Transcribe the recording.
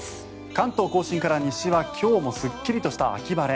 関東・甲信から西は今日もすっきりとした秋晴れ。